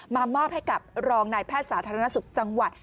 มามอบให้กับรองนายแพทย์สาธารณสุขจังหวัด